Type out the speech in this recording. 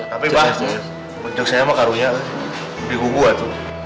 tapi bah menjaksanya mah karunya di gugur tuh